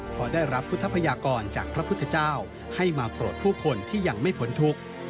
พอได้รับพุทธพยากรจากพระพุทธเจ้าให้มาโปรดผู้คนที่ยังไม่พ้นทุกข์